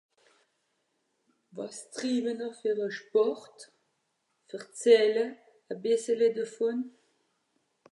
wàs triwener fer à sport verzähle à bìssele devòn